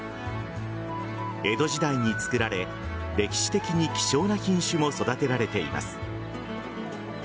江戸時代に造られ歴史的に希少な品種も育てられています。